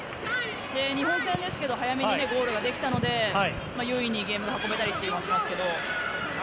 日本戦ですが早めにゴールができたので優位にゲームを運べたりもしますけど。